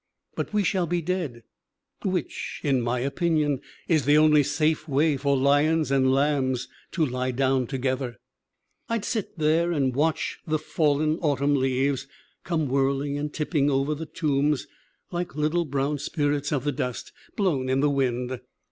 But we shall be dead, which, in my opin ion, is the only safe way for lions and lambs to lie down together. "I'd sit there and watch the fallen autumn leaves come whirling and tipping over the tombs like little brown spirits of the dust, blown in the wind.